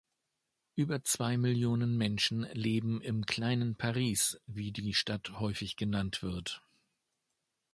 Über zwei Millionen Menschen leben im „kleinen Paris“, wie die Stadt häufig genannt wird.